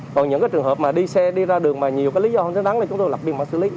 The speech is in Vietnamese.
còn những trường hợp đi xe đi ra đường mà nhiều lý do không xứng đáng là chúng tôi lập biên bản xử lý